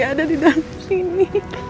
ada di dalam sini